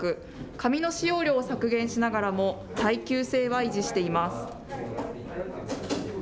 紙の使用量を削減しながらも、耐久性は維持しています。